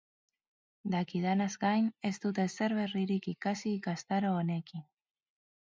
Dakidanaz gain ez dut ezer berririk ikasi ikastaro honekin.